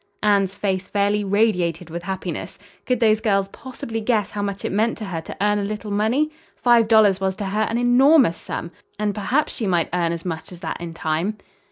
Anne's face fairly radiated with happiness. Could those girls possibly guess how much it meant to her to earn a little money! Five dollars was to her an enormous sum, and perhaps she might earn as much as that in time.